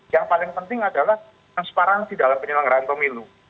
yang paling penting adalah transparansi dalam penyelenggaraan pemilu